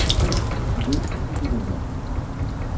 deux allée des Anglores